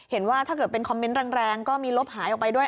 ถ้าเกิดเป็นคอมเมนต์แรงก็มีลบหายออกไปด้วย